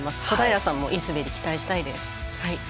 小平さんもいい滑りを期待したいです。